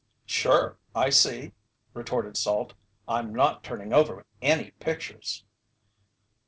"Sure, I see," retorted Salt. "I'm not turning over any pictures."